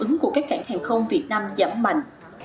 nhưng tại cung ứng của các hãng hàng không việt nam giảm mạnh